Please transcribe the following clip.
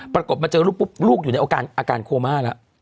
ปรากฏมาเจอลูกปุ๊บลูกอยู่ในอาการโคม่าแล้ว